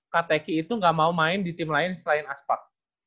kak teki itu nggak mau main di tim lain selain aspak